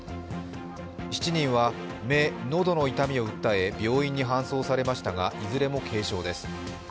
７人は、目、喉の痛みを訴え病院に搬送されましたがいずれも軽傷です。